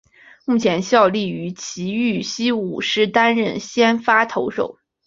目前效力于崎玉西武狮担任先发投手。